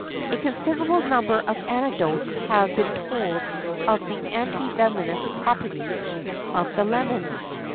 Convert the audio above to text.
A considerable number of anecdotes have been told of the anti venomous properties of the lemon.